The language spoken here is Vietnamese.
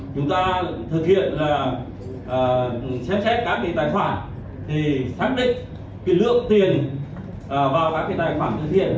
người ta thực hiện là xem xét các cái tài khoản thì xác định cái lượng tiền vào các cái tài khoản từ thiện